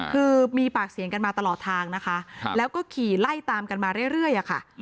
คือมีปากเสียงกันมาตลอดทางนะคะแล้วก็ขี่ไล่ตามกันมาเรื่อยค่ะ